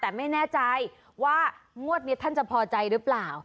แต่ไม่แน่ใจว่างวดนี้ท่านจะพอใจหรือเปล่า